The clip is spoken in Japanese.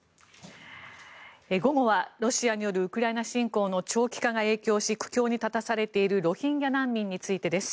午後はロシアによるウクライナ侵攻の長期化が影響し苦境に立たされているロヒンギャ難民についてです。